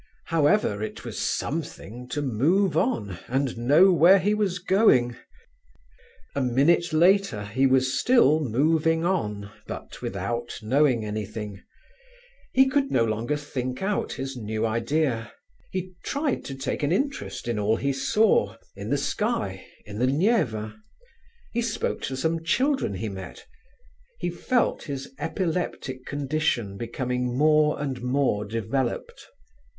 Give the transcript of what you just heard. However, it was something to move on and know where he was going. A minute later he was still moving on, but without knowing anything. He could no longer think out his new idea. He tried to take an interest in all he saw; in the sky, in the Neva. He spoke to some children he met. He felt his epileptic condition becoming more and more developed.